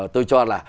tôi cho là